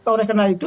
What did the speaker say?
oleh karena itu